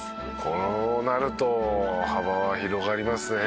「こうなると幅は広がりますね」